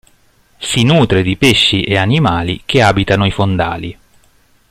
Si nutre di pesci e animali che abitano i fondali.